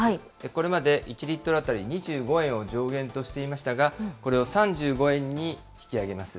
これまで１リットル当たり２５円を上限としていましたが、これを３５円に引き上げます。